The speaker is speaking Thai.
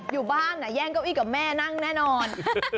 อยู่บ้านแย่งเก้าอี้กับแม่นั่งแน่นอน